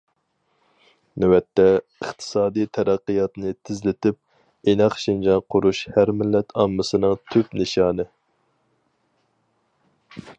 نۆۋەتتە، ئىقتىسادىي تەرەققىياتنى تېزلىتىپ، ئىناق شىنجاڭ قۇرۇش ھەر مىللەت ئاممىسىنىڭ تۈپ نىشانى.